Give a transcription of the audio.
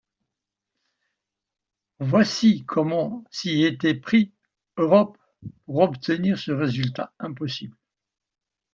Voici comment s’y était pris Europe pour obtenir ce résultat impossible.